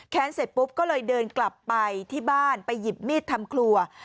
เสร็จปุ๊บก็เลยเดินกลับไปที่บ้านไปหยิบมีดทำครัว